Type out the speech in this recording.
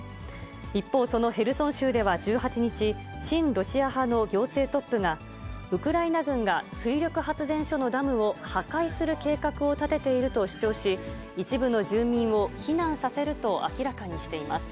一方、そのヘルソン州では１８日、親ロシア派の行政トップが、ウクライナ軍が水力発電所のダムを破壊する計画を立てていると主張し、一部の住民を避難させると明らかにしています。